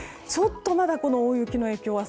ちょっとまだこの大雪の影響